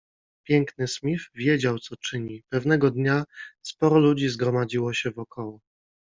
Piękny Smith wiedział, co czyni. Pewnego dnia sporo ludzi zgromadziło się wokoło